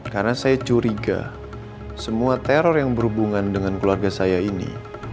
karena saya curiga semua teror yang berhubungan dengan keluarga saya ini